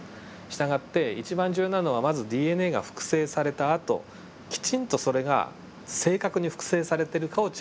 従って一番重要なのはまずＤＮＡが複製されたあときちんとそれが正確に複製されてるかをチェックするポイント。